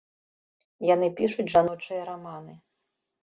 Яны пішуць жаночыя раманы.